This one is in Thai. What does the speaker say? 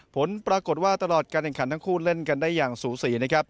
ผลปรากฏว่าตลอดการแข่งขันทั้งคู่เล่นกันได้อย่างสูสีนะครับ